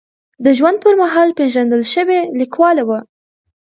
د ژوند پر مهال پېژندل شوې لیکواله وه.